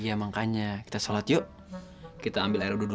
iya makanya kita sholat yuk kita ambil air udu dulu